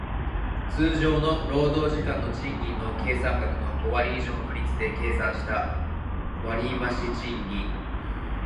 通常の労働時間の賃金の計算額の五割以上の率で計算した割増賃金